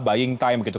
buying time gitu